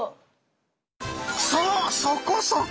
そうそこそこ！